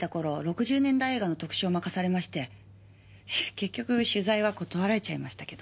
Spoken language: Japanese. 結局取材は断られちゃいましたけど。